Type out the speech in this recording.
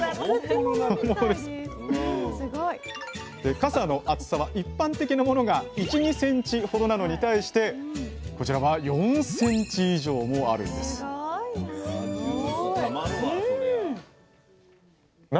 傘の厚さは一般的なものが１２ｃｍほどなのに対してこちらは４ｃｍ以上もあるんですすごいな。